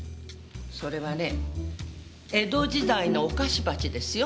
それはね江戸時代のお菓子鉢ですよ。